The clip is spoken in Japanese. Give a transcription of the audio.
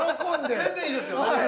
はい全然いいですよ